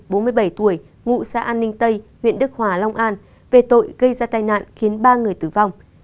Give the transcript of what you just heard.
bốn mươi bảy tuổi ngụ xã an ninh tây huyện đức hòa long an về tội gây ra tai nạn khiến ba người tử vong